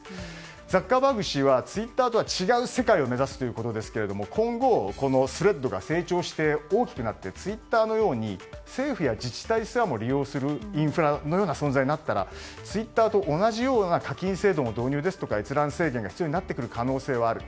ザッカーバーグ氏はツイッターとは違う世界を目指すということですけども今後、Ｔｈｒｅａｄｓが成長して大きくなってツイッターのように政府や自治体すらも利用するインフラのような存在になったらツイッターと同じような課金制度の導入や閲覧制限が必要になってくる可能性はある。